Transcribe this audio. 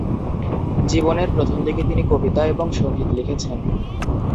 জীবনের প্রথম দিকে তিনি কবিতা এবং সংগীত লিখেছেন।